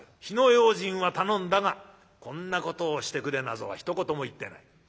火の用心は頼んだがこんなことをしてくれなぞはひと言も言ってない。